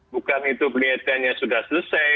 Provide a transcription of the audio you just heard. bukan itu kelihatannya sudah selesai